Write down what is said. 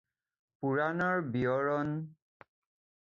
পুৰাণৰ বিৱৰণ অনুসাৰে বিষ্ণুৰ গাৰ বৰণ ঘনমেঘৰ ন্যায় নীল।